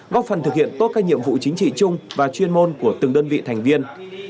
góp phần thực hiện tốt các nhiệm vụ chính trị chung và chuyên môn của từng đơn vị thành viên